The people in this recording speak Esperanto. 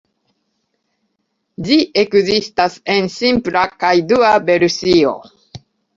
Ĝi ekzistas en simpla kaj dua versio.